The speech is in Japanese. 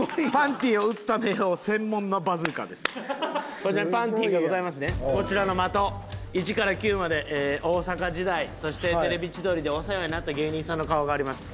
こちらにパンティがございますねこちらの的１から９まで大阪時代そして『テレビ千鳥』でお世話になった芸人さんの顔があります。